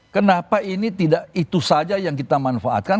kenapa ini tidak itu saja yang kita manfaatkan